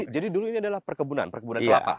jadi dulu ini adalah perkebunan kelapa